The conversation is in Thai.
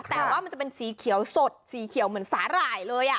แต่ว่ามันจะเป็นสีเขียวสดสีเขียวเหมือนสาหร่ายเลย